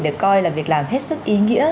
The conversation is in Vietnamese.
được coi là việc làm hết sức ý nghĩa